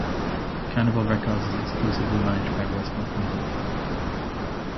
Carnival Records is exclusively managed by Westwood Music Group.